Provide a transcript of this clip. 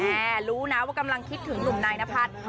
รู้นะว่ากำลังคิดถึงหนุ่มนายนพัฒน์